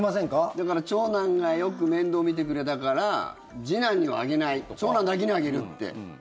だから長男がよく面倒見てくれたから次男にはあげない長男だけにあげるって。